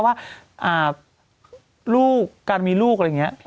ว่าลูกการมีลูกอะไรแบบนี้